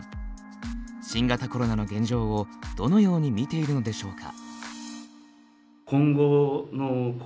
新型コロナの現状をどのように見ているのでしょうか。